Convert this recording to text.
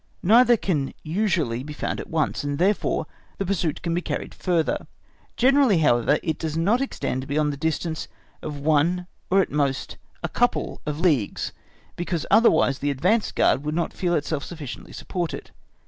Neither can usually be found at once, and, therefore, the pursuit can be carried further; generally, however, it does not extend beyond the distance of one or at most a couple of leagues, because otherwise the advance guard would not feel itself sufficiently supported.